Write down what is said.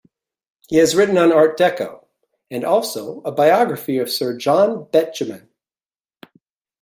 He has written on Art Deco, and also a biography of Sir John Betjeman.